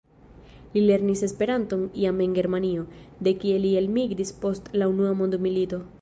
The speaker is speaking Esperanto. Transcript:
Li lernis Esperanton jam en Germanio, de kie li elmigris post la Unua mondmilito.